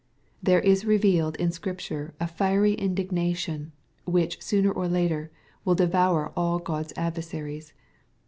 There is revealed in Scripture a "fiery indignation/' which sooner or later will devour all God's adversaries.